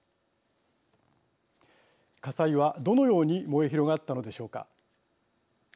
火災はどのように燃え広がったのでしょうか。